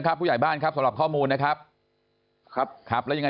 ผู้ใหญ่บ้านครับสำหรับข้อมูลนะครับครับครับแล้วยังไง